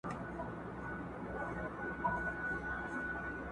رنګ په رنګ به یې راوړله دلیلونه!.